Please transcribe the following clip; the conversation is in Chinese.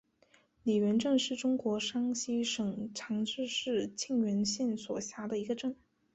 李元镇是中国山西省长治市沁源县所辖的一个镇。